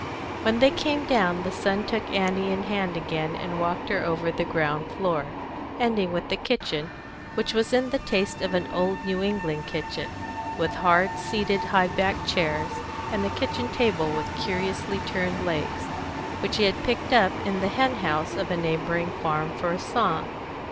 When they came down, the son took Annie in hand again and walked her over the ground floor, ending with the kitchen, which was in the taste of an old New England kitchen, with hard seated high backed chairs, and a kitchen table with curiously turned legs, which he had picked up in the hen house of a neighbouring farmer for a song.